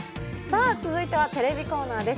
続いてはテレビコーナーです。